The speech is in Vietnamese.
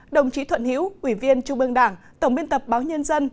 đồng chí thuận hiễu ủy viên trung ương đảng tổng biên tập báo nhân dân